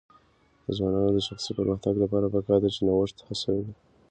د ځوانانو د شخصي پرمختګ لپاره پکار ده چې نوښت هڅوي.